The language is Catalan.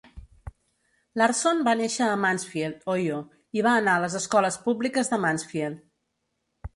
Larson va néixer a Mansfield, Ohio, i va anar a les escoles públiques de Mansfield.